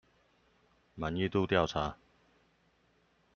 滿意度調查